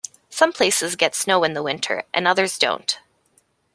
Some places get snow in the winter and others don't.